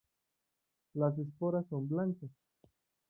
Las esporas son blancas.